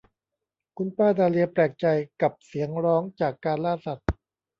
คุณป้าดาเลียแปลกใจกับเสียงร้องจากการล่าสัตว์